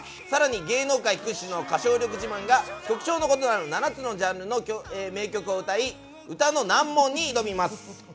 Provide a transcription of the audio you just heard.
さらに芸能界屈指の歌唱力自慢が曲長の異なる７つのジャンルの名曲を歌い、歌の難問に挑みます。